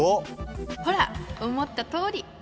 ほら思ったとおり。